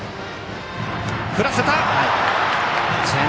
振らせた！